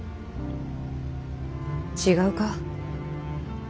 違うか？